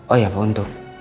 oh iya untuk